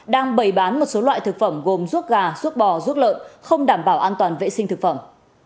đang bày bán một số loại thực phẩm gồm ruốc gà ruốc bò ruốc lợn không đảm bảo an toàn vệ sinh thực phẩm